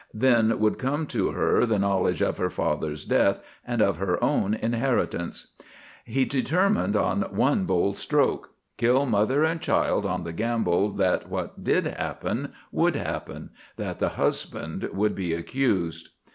Then would come to her the knowledge of her father's death and of her own inheritance. He determined on one bold stroke: kill mother and child on the gamble that what did happen, would happen: that the husband would be accused.